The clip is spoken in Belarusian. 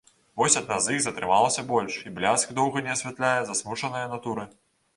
Вось адна з іх затрымалася больш, і бляск доўга не асвятляе засмучанае натуры.